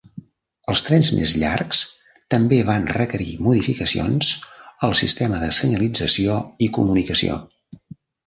Els trens més llargs també van requerir modificacions al sistema de senyalització i comunicació.